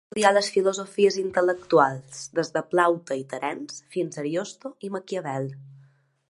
Van estudiar les filosofies intel·lectuals des de Plaute i Terence fins a Ariosto i Maquiavel.